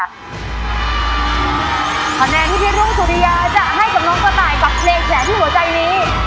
คะแนนที่พี่รุ่งสุริยาจะให้กับน้องกระต่ายกับเพลงแสนที่หัวใจนี้